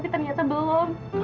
tapi ternyata belum